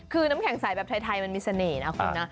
คือน้ำแข็งใสแบบไทยมันมีเสน่ห์นะคุณนะ